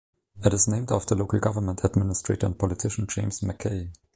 It is named after local Government administrator and politician James Mackay.